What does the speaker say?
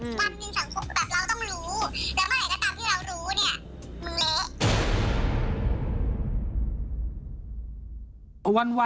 วันหนึ่งแบบเราต้องรู้แล้วเมื่อไหร่ก็ตามที่เรารู้คุณเละ